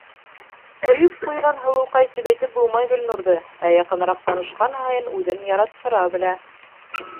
Ҡойоп ҡуйған һылыуҡай тип әйтеп булмай Гөлнурҙы, ә яҡыныраҡ танышҡан һайын, үҙен яраттыра белә.